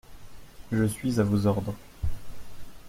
Je suis à vos ordres.